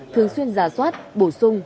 thường xuyên rà soát bổ sung